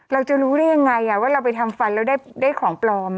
เราจะรู้ได้ยังไงว่าเราไปทำฟันแล้วได้ของปลอม